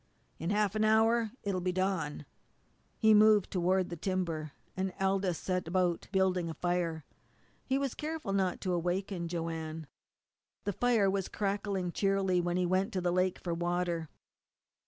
In half an hour it'll be dawn." He moved toward the timber, and Aldous set about building a fire. He was careful not to awaken Joanne. The fire was crackling cheerily when he went to the lake for water.